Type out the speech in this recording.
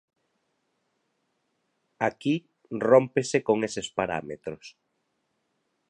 Aquí rómpese con eses parámetros.